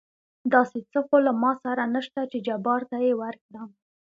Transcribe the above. داسې څه خو له ما سره نشته چې جبار ته يې ورکړم.